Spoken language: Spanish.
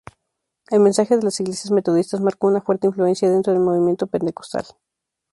El mensaje de las iglesias metodistas marcó una fuerte influencia dentro del movimiento pentecostal.